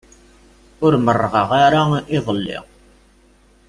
Ur merrɣeɣ ara iḍelli.